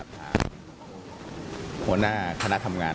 หัวหน้าคณะทำงาน